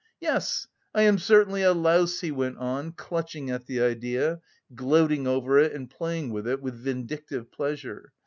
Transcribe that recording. "Yes, I am certainly a louse," he went on, clutching at the idea, gloating over it and playing with it with vindictive pleasure.